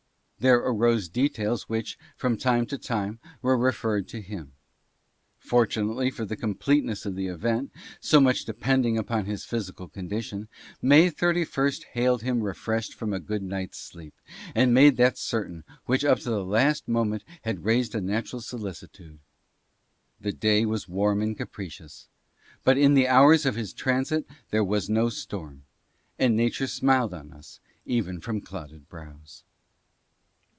There arose details which from time to time were re ferred to him. Fortunately for the completeness of the event, so much depending upon his physical condition, May 31st hailed him refreshed from a good night's rest, and made that certain which up to the last moment had raised a natural solicitude. The day was warm and capricious, but in the hours of his transit there was no storm, and nature smiled on us even from clouded brows.